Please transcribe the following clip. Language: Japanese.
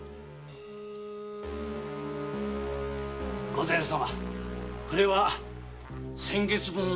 御前様！？